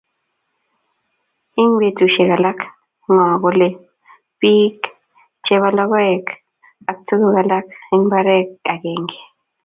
eng betushek alak ngo kole biikketiik chebo lokoek ak tukuk alak en mbaree akenge